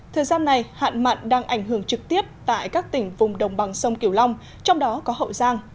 thời gian này hạn mặn đang ảnh hưởng trực tiếp tại các tỉnh vùng đồng bằng sông kiểu long trong đó có hậu giang